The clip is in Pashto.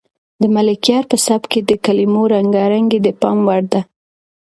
د ملکیار په سبک کې د کلمو رنګارنګي د پام وړ ده.